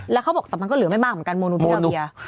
แล้วเขาบอกแต่มันก็เหลือไม่มากเหมือนกันโมนูบูราเบีย